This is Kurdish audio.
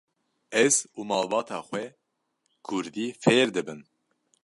Ez û malbata xwe kurdî fêr dibin.